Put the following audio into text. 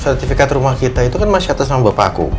sertifikat rumah kita itu kan masih atas nama bapakku